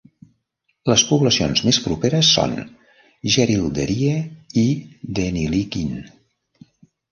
Les poblacions més properes són Jerilderie i Deniliquin.